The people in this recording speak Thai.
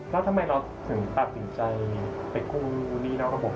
แล้วทำไมเราถึงตัดสินใจไปกู้หนี้นอกระบบ